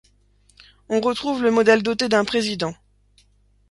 On retrouve le modèle doté d'un Président.